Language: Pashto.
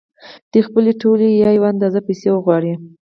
دوی خپلې ټولې یا یوه اندازه پیسې وغواړي